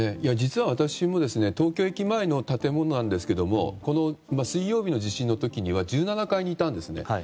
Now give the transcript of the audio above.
実は私も東京駅前の建物なんですが水曜日の地震の時には１７階にいたんですね。